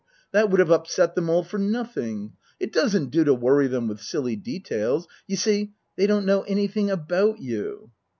That would have upset them all for nothing. It doesn't do to worry them with silly details. You see, they don't know anything about you."